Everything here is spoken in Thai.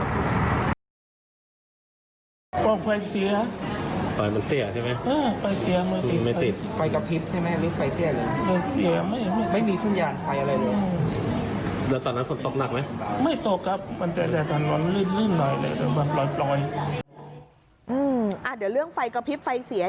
เดี๋ยวเรื่องไฟกระพริบไฟเสีย